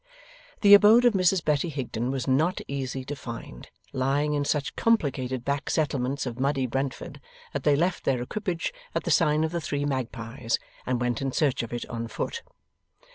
The abode of Mrs Betty Higden was not easy to find, lying in such complicated back settlements of muddy Brentford that they left their equipage at the sign of the Three Magpies, and went in search of it on foot.